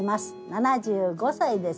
７５歳です。